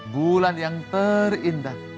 bulan yang terindah